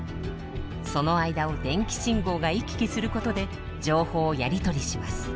その間を電気信号が行き来することで情報をやり取りします。